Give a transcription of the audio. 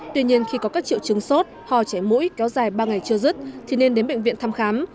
tuy nhiên khi có các triệu chứng sốt hò chảy mũi kéo dài ba ngày chưa dứt thì nên đến bệnh viện thăm khám